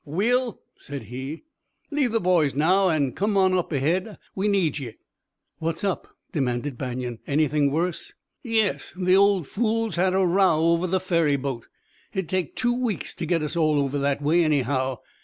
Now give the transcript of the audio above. "Will," said he, "leave the boys ride now an' come on up ahead. We need ye." "What's up?" demanded Banion. "Anything worse?" "Yes. The old fool's had a row over the ferryboat. Hit'd take two weeks to git us all over that way, anyhow.